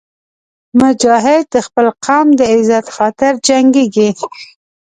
مجاهد د خپل قوم د عزت خاطر جنګېږي.